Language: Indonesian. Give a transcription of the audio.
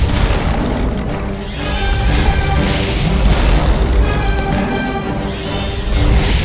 jangan ketawakan yang